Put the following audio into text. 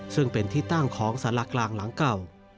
ซึ่งเป็นที่ตั้งของสารกลางหลังเก่า